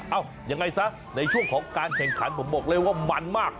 ยังไงซะในช่วงของการแข่งขันผมบอกเลยว่ามันมาก